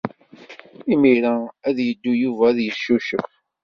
Imir-a ad yeddu Yuba ad yeccucef.